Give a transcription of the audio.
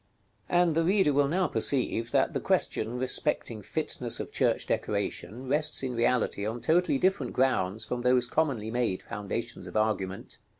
§ LV. And the reader will now perceive that the question respecting fitness of church decoration rests in reality on totally different grounds from those commonly made foundations of argument.